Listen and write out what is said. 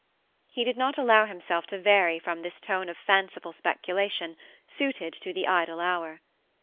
He did not allow himself to vary from this tone of fanciful speculation, suited to the idle hour.